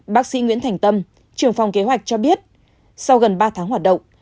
bác sĩ nguyễn thành tâm trưởng phòng kế hoạch cho biết sau gần ba tháng hoạt động